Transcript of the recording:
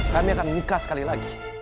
kami akan buka sekali lagi